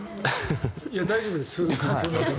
大丈夫です。